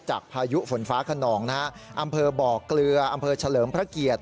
พายุฝนฟ้าขนองนะฮะอำเภอบ่อเกลืออำเภอเฉลิมพระเกียรติ